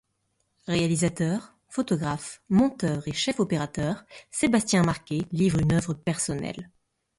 Réalisateur, photographe, monteur et chef opérateur, Sébastien Marqué livre une œuvre personnelle.